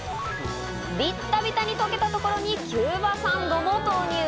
ビッタビタに溶けたところにキューバサンドも投入。